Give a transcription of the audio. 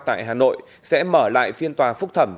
tại hà nội sẽ mở lại phiên tòa phúc thẩm